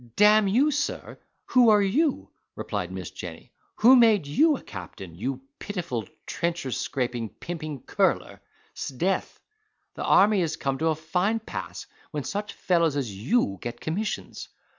"D—n you sir, who are you?" replied Miss Jenny, "who made you a captain, you pitiful, trencher scraping, pimping curler? 'Sdeath! the army is come to a fine pass, when such fellows as you get commissions.